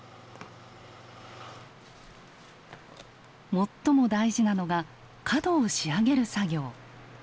最も大事なのが角を仕上げる作業。